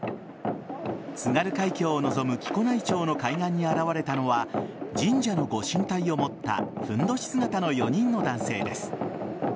津軽海峡を望む木古内町の海岸に現れたのは神社のご神体を持ったふんどし姿の４人の男性です。